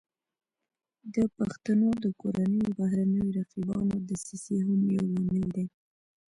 د پښتنو د کورنیو او بهرنیو رقیبانو دسیسې هم یو لامل دی